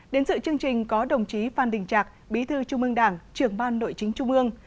đến sự chương trình có đồng chí phan đình trạc bí thư trung mương đảng trường ban nội chính trung mương